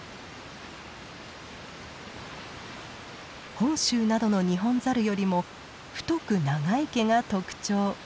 本州などのニホンザルよりも太く長い毛が特徴。